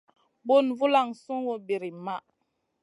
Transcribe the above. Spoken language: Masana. Bùn vulan sungu birim maʼh.